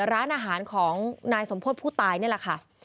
ร้านอาหารของนายสมโพธิผู้ตายนี่แหละค่ะ